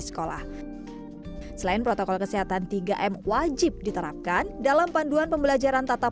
sekolah selain protokol kesehatan tiga m wajib diterapkan dalam panduan pembelajaran tatap